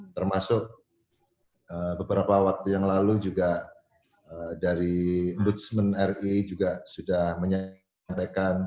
termasuk beberapa waktu yang lalu juga dari ombudsman ri juga sudah menyampaikan